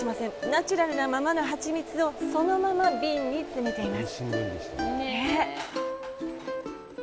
ナチュラルなままのハチミツをそのまま瓶に詰めています。